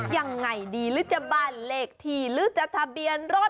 ยังไงดีหรือจะบ้านเลขที่หรือจะทะเบียนรถ